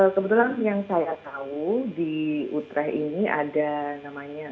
kebetulan yang saya tahu di utreh ini ada namanya